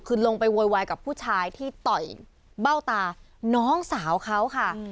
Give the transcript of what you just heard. คือลงไปโวยวายกับผู้ชายที่ต่อยเบ้าตาน้องสาวเขาค่ะ